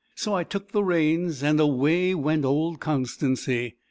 So I took the reins, and away went old Constancy.